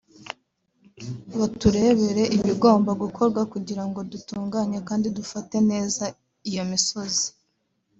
baturebere ibigomba gukorwa kugira ngo dutunganye kandi dufate neza iyo misozi